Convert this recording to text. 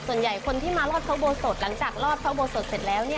ส่วนใหญ่คนที่มารอดพระโบสถหลังจากรอดพระอุโบสถเสร็จแล้ว